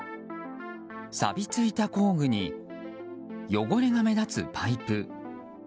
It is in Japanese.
さびついた工具に汚れが目立つパイプ。